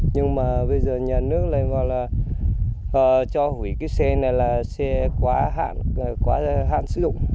nhưng mà bây giờ nhà nước lại gọi là cho hủy cái xe này là xe quá hạn quá hạn sử dụng